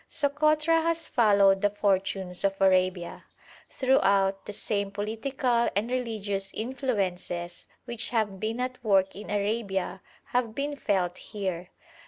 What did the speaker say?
Sokotra has followed the fortunes of Arabia; throughout, the same political and religious influences which have been at work in Arabia have been felt here.